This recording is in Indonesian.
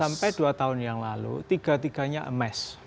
sampai dua tahun yang lalu tiga tiganya emas